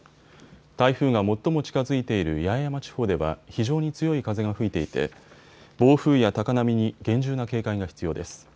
台風が最も近づいている八重山地方では非常に強い風が吹いていて暴風や高波に厳重な警戒が必要です。